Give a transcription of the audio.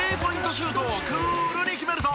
シュートをクールに決めると。